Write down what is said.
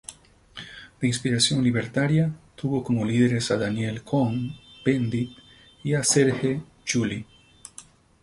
De inspiración libertaria, tuvo como líderes a Daniel Cohn-Bendit y a Serge July.